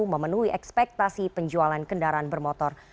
memenuhi ekspektasi penjualan kendaraan bermotor